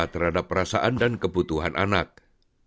terhadap perasaan dan kebutuhan anak